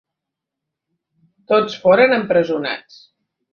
Tots foren empresonats.